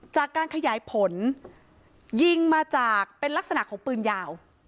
จากการขยายผลยิงมาจากเป็นลักษณะของปืนยาว